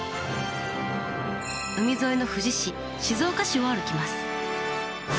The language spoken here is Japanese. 海沿いの富士市静岡市を歩きます。